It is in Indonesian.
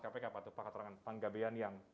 kpk pak tupak katerangan panggabean yang